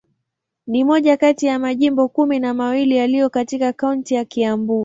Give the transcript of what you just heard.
Ni moja kati ya majimbo kumi na mawili yaliyo katika kaunti ya Kiambu.